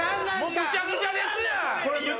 むちゃくちゃですやん！